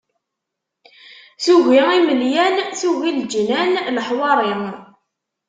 Tugi imelyan, tugi leǧnan, leḥwari...